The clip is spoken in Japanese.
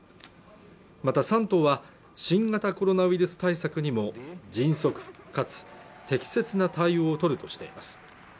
また３党は新型コロナウイルス対策にも迅速かつ適切な対応を取るとしています